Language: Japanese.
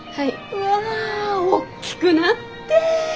うわ大きくなって！